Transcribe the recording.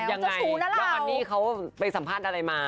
ยังไงแล้วออนนี่เขาไปสัมภาษณ์อะไรมา